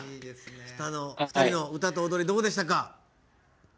下の２人の歌と踊りどうでしたか？